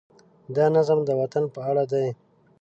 دا نظم د وطن په اړه دی.